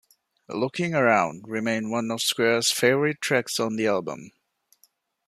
"Looking Around" remained one of Squire's favourite tracks on the album.